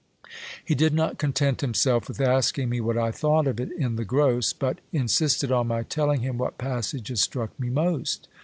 He did not content himself with asking me what I thought of it in the gross, but in sisted on my telling him what passages struck me most.